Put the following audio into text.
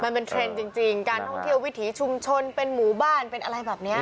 มันเป็นเทรนด์จริงการท่องเที่ยววิถีชุมชนเป็นหมู่บ้านเป็นอะไรแบบนี้